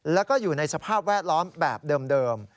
แล้วก็อยู่ในสภาพแวดล้อมแบบเดิม